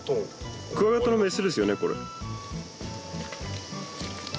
クワガタのメスですよねこれ。